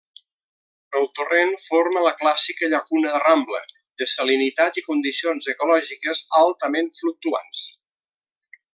El torrent forma la clàssica llacuna de rambla, de salinitat i condicions ecològiques altament fluctuants.